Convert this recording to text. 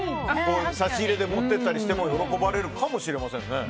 差し入れで持っていったりしても喜ばれるかもしれませんね。